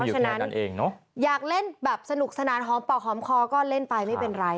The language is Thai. ฉะนั้นอยากเล่นแบบสนุกสนานหอมปากหอมคอก็เล่นไปไม่เป็นไร